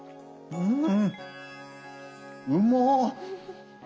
うん！